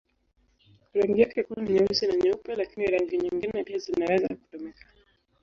Rangi yake kuu ni nyeusi na nyeupe, lakini rangi nyingine pia zinaweza kutumika.